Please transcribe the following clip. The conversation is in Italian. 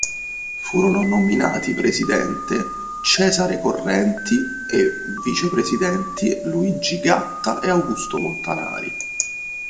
Furono nominati presidente Cesare Correnti e vicepresidenti Luigi Gatta e Augusto Montanari.